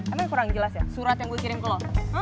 emang kurang jelas ya surat yang gue kirim ke loh